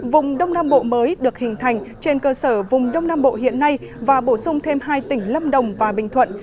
vùng đông nam bộ mới được hình thành trên cơ sở vùng đông nam bộ hiện nay và bổ sung thêm hai tỉnh lâm đồng và bình thuận